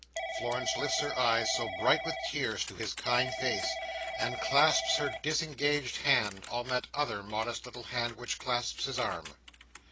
Florence lifts her eyes, so bright with tears, to his kind face; and clasps her disengaged hand on that other modest little hand which clasps his arm.